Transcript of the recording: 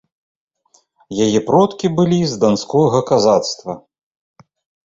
Яе продкі былі з данскога казацтва.